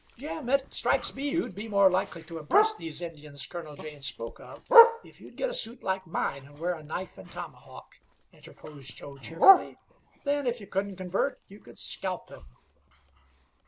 "Jim, it strikes me you'd be more likely to impress these Indians Colonel Zane spoke of if you'd get a suit like mine and wear a knife and tomahawk," interposed Joe, cheerfully. "Then, if you couldn't convert, you could scalp them."